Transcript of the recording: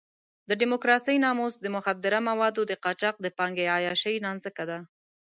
د ډیموکراسۍ ناموس د مخدره موادو د قاچاق د پانګې عیاشۍ نانځکه ده.